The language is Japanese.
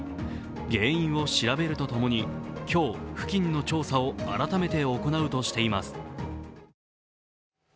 原因を調べるとともに今日、付近の調査を改めて行うとしています。